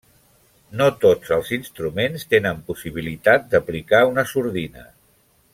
No tots els instruments tenen possibilitat d'aplicar una sordina.